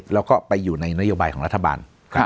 แล้วก็ไปอยู่ในนโยบายของรัฐบาล